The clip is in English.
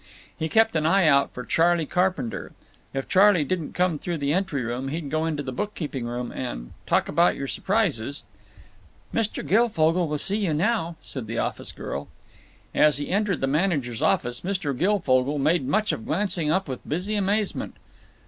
He kept an eye out for Charley Carpenter. If Charley didn't come through the entry room he'd go into the bookkeeping room, and—"talk about your surprises—" "Mr. Guilfogle will see you now," said the office girl. As he entered the manager's office Mr. Guilfogle made much of glancing up with busy amazement.